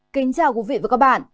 kính chào quý vị và các bạn